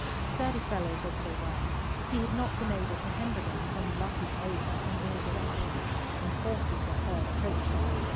Sturdy fellows as they were, he had not been able to hinder them from lopping over in all directions, when horses were heard approaching.